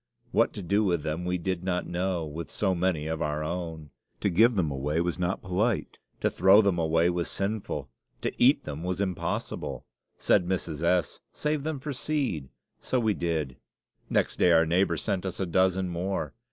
What to do with them we did not know, with so many of our own. To give them away was not polite; to throw them away was sinful; to eat them was impossible. Mrs. S. said, "Save them for seed." So we did. Next day, our neighbor sent us a dozen more.